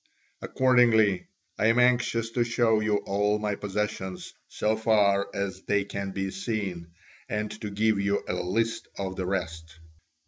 Accordingly I am anxious to show you all my possessions so far as they can be seen, and to give you a list of the rest."